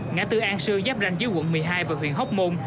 ngã tư an sương giáp ranh dưới quận một mươi hai về huyện hóc bôm